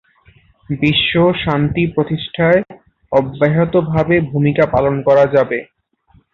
বিশ্বশান্তি প্রতিষ্ঠায় অব্যাহতভাবে ভূমিকা পালন করে যাবে।